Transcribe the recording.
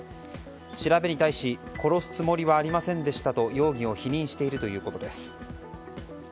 調べに対し殺すつもりはありませんでしたと容疑を否認しているということです。